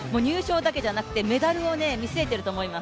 入賞だけじゃなくてメダルを見据えてると思います。